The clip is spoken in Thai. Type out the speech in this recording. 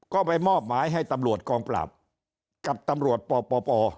ก็ไปมอบหมายให้ตำรวจกองปราบกับตำรวจปป